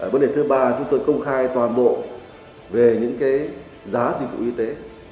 vấn đề thứ ba chúng tôi công khai toàn bộ về những giá dịch vụ y tế